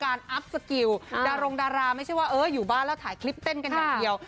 อัพสกิลดารองดาราไม่ได้ยืบ้านแล้วถ่ายคลิปเต้นกันหนึ่งเดียว